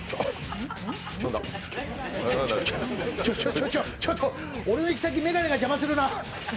ちょ、ちょちょ俺の行き先、眼鏡が邪魔するなあ。